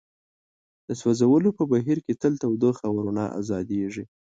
د سوځولو په بهیر کې تل تودوخه او رڼا ازادیږي.